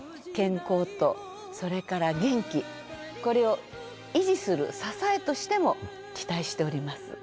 健康とそれから元気これを維持する支えとしても期待しております。